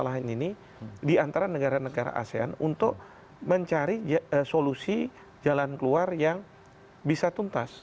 mereka harus mencari permasalahan ini di antara negara negara asean untuk mencari solusi jalan keluar yang bisa tuntas